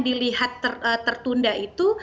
dilihat tertunda itu